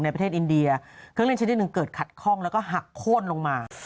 ประเทศอินเดียเครื่องเล่นชิ้นที่หนึ่งเกิดขัดข้องแล้วก็หักโค้นลงมา